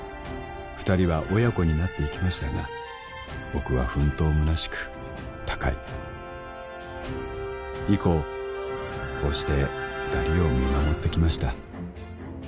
二人は親子になっていきましたが僕は奮闘むなしく他界以降こうして二人を見守ってきました